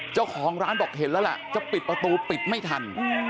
เจ้าของร้านบอกเห็นแล้วล่ะจะปิดประตูปิดไม่ทัน